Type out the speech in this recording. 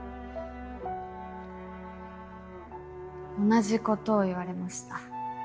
同じことを言われました。